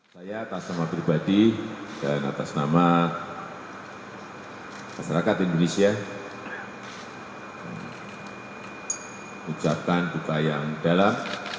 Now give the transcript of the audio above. saya atas nama pribadi dan atas nama masyarakat indonesia ucapkan duka yang dalam